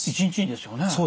１日にですよね？